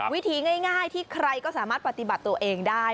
วิธีง่ายที่ใครก็สามารถปฏิบัติตัวเองได้